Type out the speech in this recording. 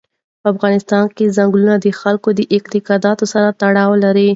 په افغانستان کې ځنګلونه د خلکو د اعتقاداتو سره تړاو لري.